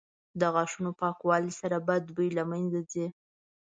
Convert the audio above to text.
• د غاښونو پاکوالي سره بد بوی له منځه ځي.